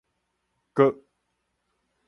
閣